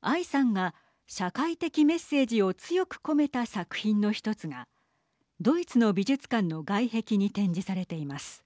アイさんが社会的メッセージを強く込めた作品の１つがドイツの美術館の外壁に展示されています。